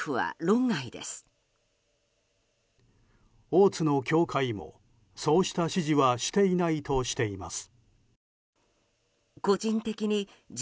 大津の教会も、そうした指示はしていないとしています。